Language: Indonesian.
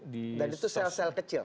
dan itu sel sel kecil